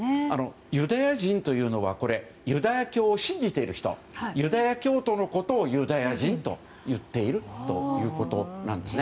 ユダヤ人というのはユダヤ教を信じている人ユダヤ教徒のことをユダヤ人といっているということなんです。